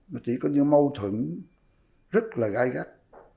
nó chỉ có những mâu thuẫn rất là gai gắt